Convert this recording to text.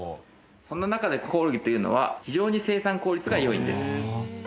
その中でコオロギというのは非常に生産効率が良いんです。